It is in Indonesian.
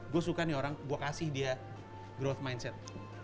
gue suka nih orang gue kasih dia growth mindset